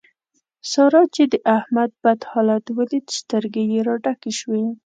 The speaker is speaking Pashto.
سارا چې د احمد بد حالت وليد؛ سترګې يې را ډکې شوې.